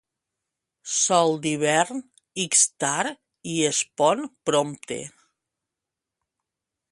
Sol d'hivern, ix tard i es pon prompte.